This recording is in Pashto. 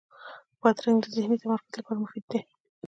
بادرنګ د ذهني تمرکز لپاره مفید دی.